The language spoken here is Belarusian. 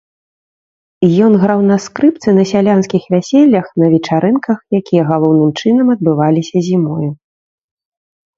Ён граў на скрыпцы на сялянскіх вяселлях, на вечарынках, якія галоўным чынам адбываліся зімою.